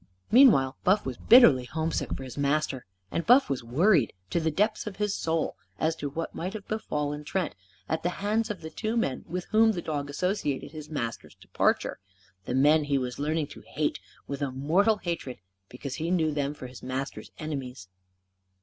Meanwhile, Buff was bitterly homesick for his master. And Buff was worried, to the depths of his soul, as to what might have befallen Trent at the hands of the two men with whom the dog associated his master's departure the men he was learning to hate with a mortal hatred because he knew them for his master's enemies.